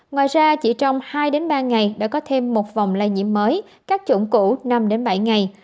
ngoài ra chỉ trong hai ba ngày đã có thêm một vòng lây nhiễm mới các chủng cũ năm bảy ngày